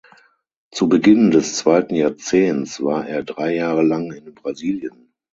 Zu Beginn des zweiten Jahrzehnts war er drei Jahre lang in Brasilien.